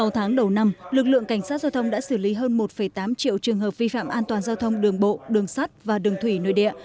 sáu tháng đầu năm lực lượng cảnh sát giao thông đã xử lý hơn một tám triệu trường hợp vi phạm an toàn giao thông đường bộ đường sắt và đường thủy nơi địa